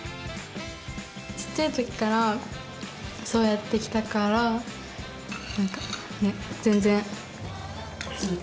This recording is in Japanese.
ちっちゃいときからそうやってきたからなんかね全然普通です。